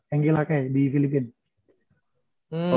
enggil ake di filipina